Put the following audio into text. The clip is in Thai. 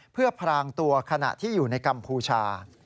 เพื่อพรางตัวขณะที่อยู่ในกัมพูชา